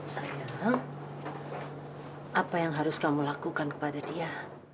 saya apa yang harus kamu lakukan kepada dia